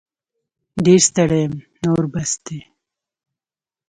ډير ستړې یم نور بس دی